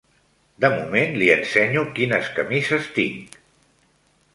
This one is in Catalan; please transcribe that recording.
De moment li ensenyo quines camises tinc.